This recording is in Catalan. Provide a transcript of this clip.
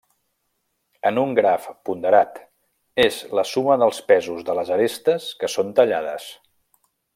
En un graf ponderat, és la suma dels pesos de les arestes que són tallades.